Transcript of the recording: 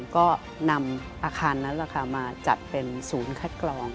ก็นำอาคารนั้นมาจัดเป็นศูนย์คัดกรอง